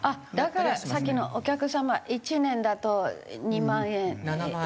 だからさっきの「お客様１年だと２万円」。